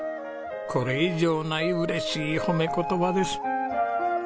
これ以上ない嬉しい褒め言葉です。